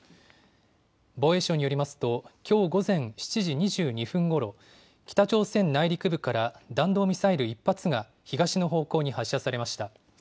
防衛省によりますときょう午前７時２２分ごろ北朝鮮内陸部から弾道ミサイル１発が東の方向に発射されました。